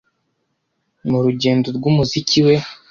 Mu rugendo rw’umuziki we